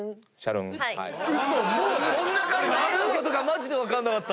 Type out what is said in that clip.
何のことかマジで分かんなかった！